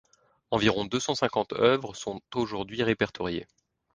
Environ deux cent cinquante œuvres sont aujourd'hui répertoriées.